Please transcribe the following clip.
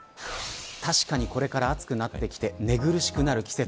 確かに、これから暑くなってきて寝苦しくなる季節。